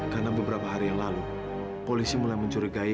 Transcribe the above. karena beberapa hari yang lalu polisi mulai mencurigai